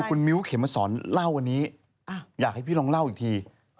คุณมิ้วเข็มมาสอนเล่าอันนี้อยากให้พี่ลองเล่าอีกที